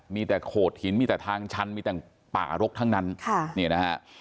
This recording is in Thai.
มีแต่โขดหินมีแต่ทางชั้นมีแต่ป่ารกทั้งนั้น